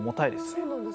そうなんです。